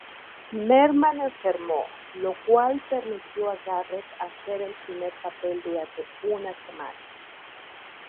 Merman enfermó, lo cual permitió a Garrett hacer el primer papel durante una semana.